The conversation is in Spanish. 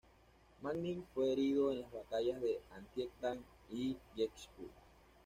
Manning fue herido en las batallas de Antietam y Gettysburg.